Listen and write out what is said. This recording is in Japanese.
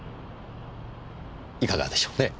いかがでしょうねえ？